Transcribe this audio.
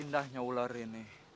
wow indahnya ular ini